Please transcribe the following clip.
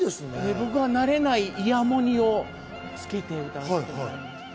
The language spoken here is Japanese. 僕は慣れないイヤモニを着けていまして。